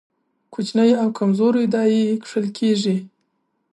کوچني او کمزوري دا يې کښل کېږي.